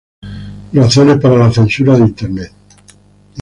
Razones para la censura de Internet.